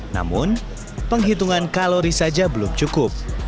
namun penghitungan kalori saja belum cukup